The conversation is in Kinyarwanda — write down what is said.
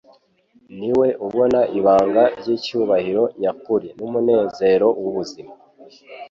ni we ubona ibanga ry'icyubahiro nyakuri n'umunezero w'ubuzima.